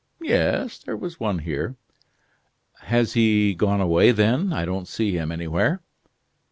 "Yes, there was one here." "Has he gone away then? I don't see him anywhere?"